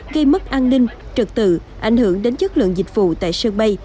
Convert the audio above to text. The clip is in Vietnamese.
gây mất an ninh trực tự ảnh hưởng đến chất lượng dịch vụ tại sân bay